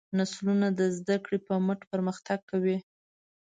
نسلونه د زدهکړې په مټ پرمختګ کوي.